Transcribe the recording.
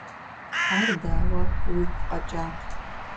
Ар дауэ уигу къэкӀа?